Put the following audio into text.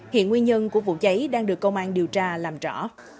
hiện nguyên nhân của vụ cháy đang được công an điều tra làm rõ